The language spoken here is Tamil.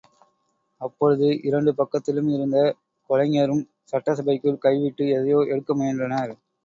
அப்பொழுது இரண்டு பக்கத்திலும் இருந்த கொலைஞரும் சட்டைப்பைக்குள் கைவிட்டு எதையோ எடுக்க முயன்றனர்.